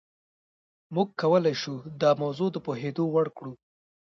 موږ کولای شو دا موضوع د پوهېدو وړ کړو.